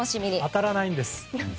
当たらないんです。